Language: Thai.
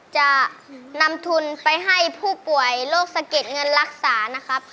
จะนำทุนไปให้ผู้ป่วยโรคสะเก็ดเงินรักษานะครับ